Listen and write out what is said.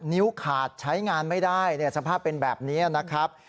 นิ้วขาดใช้งานไม่ได้สภาพเป็นแบบนี้นะครับ